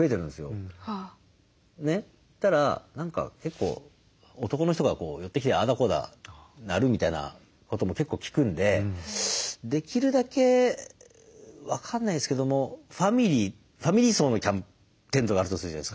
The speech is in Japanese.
そしたら何か結構男の人が寄ってきてああだこうだなるみたいなことも結構聞くんでできるだけ分かんないですけどもファミリー層のテントがあるとするじゃないですか。